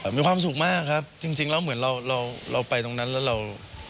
มีความสุขมากครับจริงแล้วเหมือนเราเราไปตรงนั้นแล้วเรา